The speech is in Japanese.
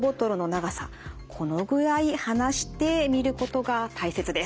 このぐらい離して見ることが大切です。